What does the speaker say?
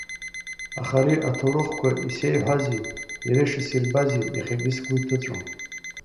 Аха ари аҭоурыхқәа исеиҳәази иара шысирбази иахьагьы сгәы иҭыҵәом.